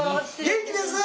元気です！